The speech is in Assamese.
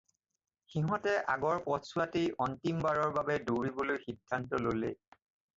সিঁহতে আগৰ পথছোৱাতেই অন্তিম বাৰৰ বাবে দৌৰিবলৈ সিদ্ধান্ত ল'লে।